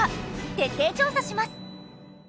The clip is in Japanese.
徹底調査します。